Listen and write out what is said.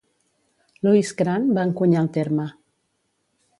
Louis Crane va encunyar el terme.